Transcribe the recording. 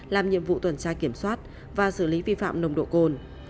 làm nhiệm vụ tuần tra kiểm soát và xử lý vi phạm nồng độ cồn